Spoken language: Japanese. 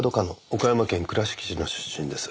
岡山県倉敷市の出身です。